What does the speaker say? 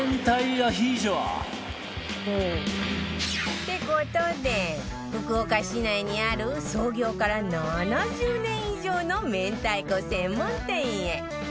って事で福岡市内にある創業から７０年以上の明太子専門店へ